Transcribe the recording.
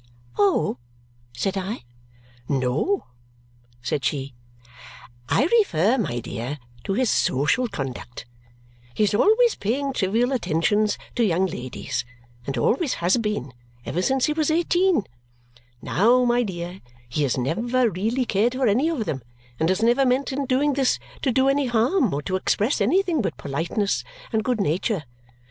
"Oh!" said I. "No," said she. "I refer, my dear, to his social conduct. He is always paying trivial attentions to young ladies, and always has been, ever since he was eighteen. Now, my dear, he has never really cared for any one of them and has never meant in doing this to do any harm or to express anything but politeness and good nature.